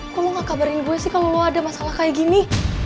kok lo gak kabarin gue sih kalau lo ada masalah kayak gini